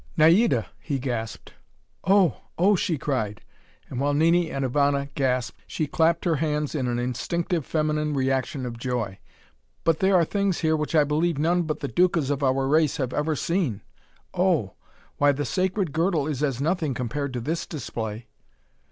"Naida!" he gasped. "Oh, oh!" she cried, and while Nini and Ivana gasped, she clapped her hands in an instinctive, feminine reaction of joy. "But there are things here which I believe none but the Ducas of our race have ever seen! Oh! Why, the sacred girdle is as nothing compared to this display!"